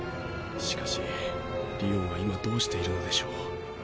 しかしりおんは今どうしているのでしょう。